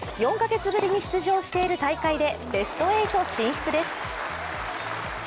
４カ月ぶりに出場している大会でベスト８進出です。